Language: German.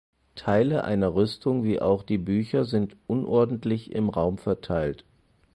Teile einer Rüstung wie auch die Bücher sind unordentlich im Raum verteilt.